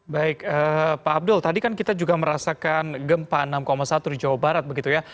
baik pak abdul tadi kan kita juga merasakan gempa enam satu di jawa barat begitu ya